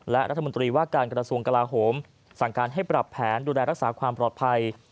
และรัฐมนตรีว่าการกระทรวงกลาโหมสั่งการให้ปรับแผนดูแลรักษาความปลอดภัย